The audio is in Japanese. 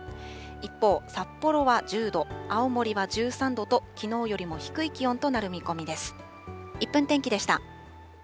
一方、札幌は１０度、青森は１３度と、きのうよりも低い気温となる見込みです。